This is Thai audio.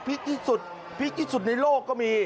ที่สุดพีคที่สุดในโลกก็มี